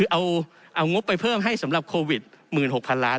เอางบไปเพิ่มให้สำหรับโควิด๑๖๐๐๐ล้าน